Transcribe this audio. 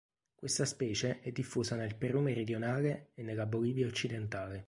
Questa specie è diffusa nel Perù meridionale e nella Bolivia occidentale.